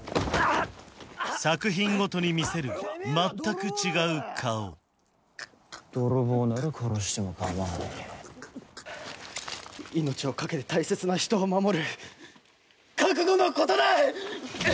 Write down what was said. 作品ごとに見せる全く違う顔泥棒なら殺してもかまわねえ命を懸けて大切な人を守る覚悟のことだ！